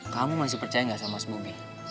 kamu masih percaya enggak sama mas bobby